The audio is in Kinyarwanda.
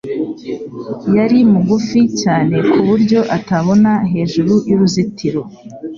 Yari mugufi cyane ku buryo atabona hejuru y'uruzitiro.